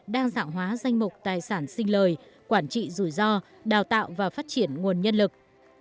đa dạng hóa danh mục tài sản sinh lời quản trị rủi ro đào tạo và phát triển nguồn nhân lực